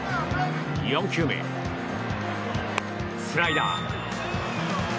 ４球目、スライダー。